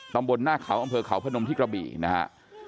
ตำบลหน้าเขาอำเภอเขาพนมที่กระบี่นะฮะ